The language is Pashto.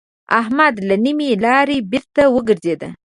احمد له نيمې لارې بېرته وګرځېد.